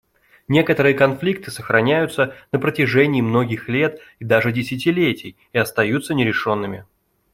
Некоторые конфликты сохраняются на протяжении многих лет и даже десятилетий и остаются нерешенными.